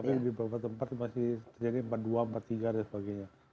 tapi di beberapa tempat masih terjadi empat puluh dua empat tiga dan sebagainya